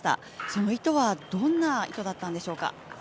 その意図はどんな意図だったんでしょうか。